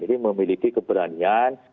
ini memiliki keberanian